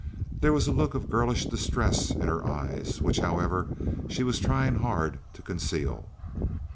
There was a look of girlish distress in her eyes, which, however, she was trying hard to conceal.